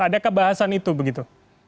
adakah bahasan itu begitu